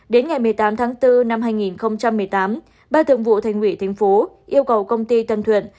đến ngày một mươi tám tháng bốn năm hai nghìn một mươi tám ban thường vụ thành ủy thành phố yêu cầu công ty tân thuận